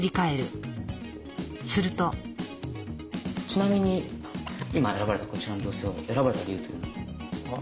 ちなみに今選ばれたこちらの女性を選ばれた理由というのは？